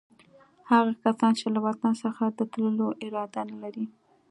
هغه کسان چې له وطن څخه د تللو اراده نه لري.